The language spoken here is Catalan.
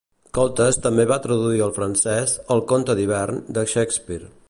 Koltes també va traduir al francès "El conte d'hivern" de Shakespeare.